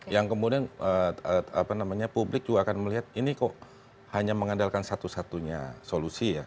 yang kemudian publik juga akan melihat ini kok hanya mengandalkan satu satunya solusi ya